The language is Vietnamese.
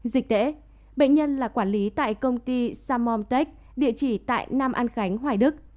dịch tễ bệnh nhân là quản lý tại công ty samomtech địa chỉ tại nam an khánh hoài đức